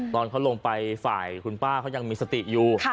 ตอนเขาลงไปฝ่ายคุณป้าเขายังมีสติอยู่